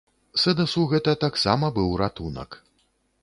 Сэдасу гэта таксама быў ратунак.